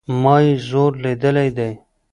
ما ئې زور ليدلى دئ